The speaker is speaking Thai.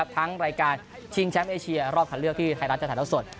ทั้งรายการชิงแชมป์เอเชียรอบคันเลือกที่ไทยรัฐจะถ่ายเท่าสด